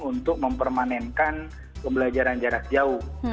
untuk mempermanenkan pembelajaran jarak jauh